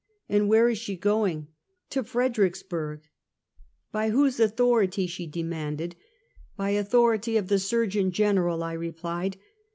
" And where is she going? " "To Fredericksburg." "By whose authority?" she demanded. " By authority of the Surgeon General," I replied.